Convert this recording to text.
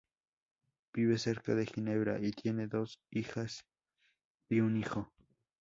Vive cerca de Ginebra y tiene dos hijas y un hijo.